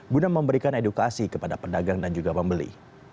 guna memberikan edukasi kepada pedagang dan juga pembeli